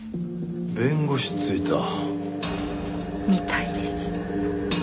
弁護士ついた？みたいです。